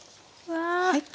はい。